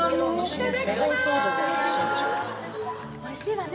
おいしいわね。